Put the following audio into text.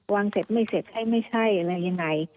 เสร็จไม่เสร็จให้ไม่ใช่อะไรยังไง